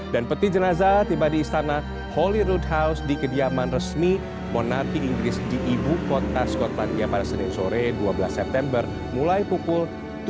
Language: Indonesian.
peti jenazah tiba di istana holly roothouse di kediaman resmi monarti inggris di ibu kota skotlandia pada senin sore dua belas september mulai pukul tujuh belas